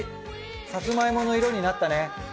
さつまいもの色になったね。